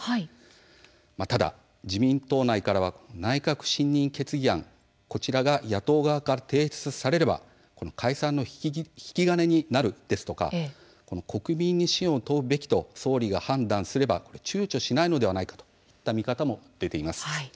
ただ自民党内からは内閣不信任決議案、こちらが野党側から提出されれば解散の引き金になるですとか国民に信を問うべきと総理が判断をすればちゅうちょしないのではないかといった見方も出ています。